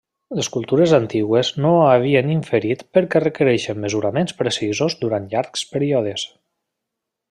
Les cultures antigues no ho havien inferit perquè requereix mesuraments precisos durant llargs períodes.